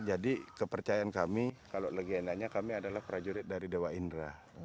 jadi kepercayaan kami kalau legendanya kami adalah prajurit dari dewa indra